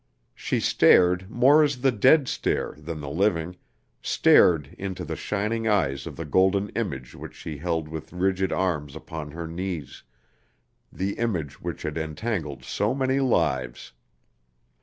She stared more as the dead stare than the living, stared into the shining eyes of the golden image which she held with rigid arms upon her knees, the image which had entangled so many lives.